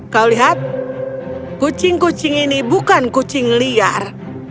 kau lihat kucing kucing ini bukan kucing liar